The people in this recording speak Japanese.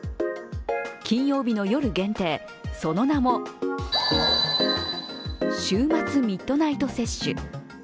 金曜日の夜限定、その名も、週末ミッドナイト接種。